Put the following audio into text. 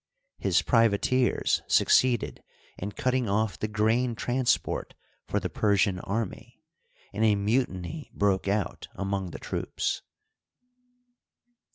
His privateers succeeded in cutting off the grain transport for the Persian army, and a mutiny broke out among the troops.